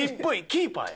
キーパー！